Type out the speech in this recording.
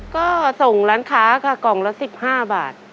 ก็ส่งร้านค้าค่ะกล่องละ๑๕บาท